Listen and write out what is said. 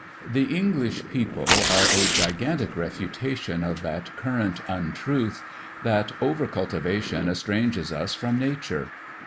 The English people are a gigantic refutation of that current untruth, that over cultivation estranges us from nature.